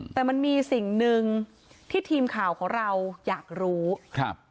แต่มันมีสิ่งหนึ่งที่ทีมข่าวของเราอยากรู้ครับ